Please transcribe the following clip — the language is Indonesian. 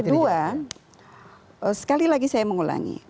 kedua sekali lagi saya mengulangi